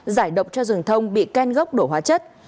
giải độc cho rừng thông bị ken gốc đổ hóa chất